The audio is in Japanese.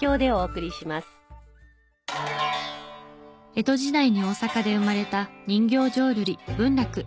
江戸時代に大阪で生まれた人形浄瑠璃文楽。